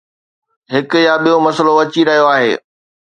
هڪ يا ٻيو مسئلو اچي رهيو آهي.